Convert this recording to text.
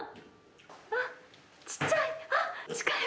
あっ、ちっちゃい。